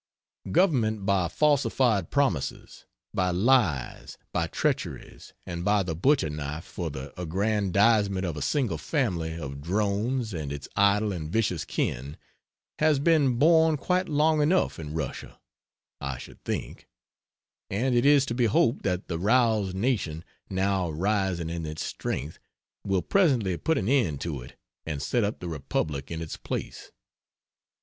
Government by falsified promises; by lies, by treacheries, and by the butcher knife for the aggrandizement of a single family of drones and its idle and vicious kin has been borne quite long enough in Russia, I should think, and it is to be hoped that the roused nation, now rising in its strength, will presently put an end to it and set up the republic in its place.